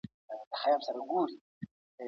لوبیا او نخود د بدن لپاره ګټور دي.